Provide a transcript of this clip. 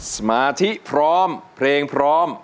สมาธิพร้อมเพลงพร้อม